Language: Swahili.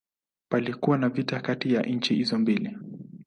Palikuwa na vita kati ya nchi hizo mbili.